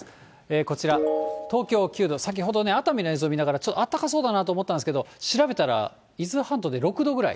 こちら、東京９度、先ほど熱海の映像を見ながら、あったかそうだなと思ったんですけど、調べたら伊豆半島で６度ぐらい。